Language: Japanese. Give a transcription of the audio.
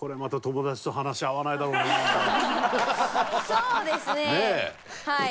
そうですねはい。